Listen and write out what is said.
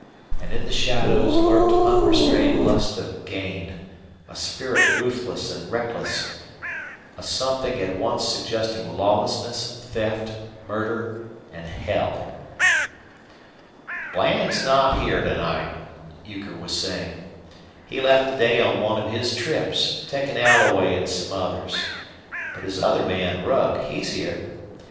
And in the shadows lurked unrestrained lust of gain, a spirit ruthless and reckless, a something at once suggesting lawlessness, theft, murder, and hell. "Bland's not here to night," Euchre was saying. "He left today on one of his trips, takin' Alloway an' some others. But his other man, Rugg, he's here.